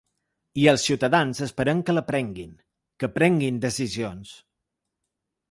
I els ciutadans esperem que la prenguin, que prenguin decisions.